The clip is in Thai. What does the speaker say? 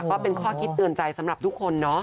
ก็เป็นข้อคิดเตือนใจสำหรับทุกคนเนาะ